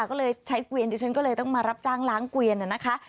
ก็เลยใช้เกวียนดิฉันก็เลยต้องมารับจ้างล้างเกวียนนะคะ